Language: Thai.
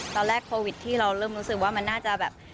ตอนแรกโควิดที่เราเริ่มรู้สึกว่ามันน่าจะแบบ